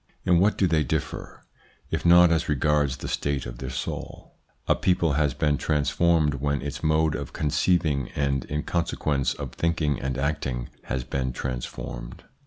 In what do they differ, if not as regards the state of their soul ? A people has been transformed when its mode of conceiving and, in consequence, of thinking and acting has been transformed.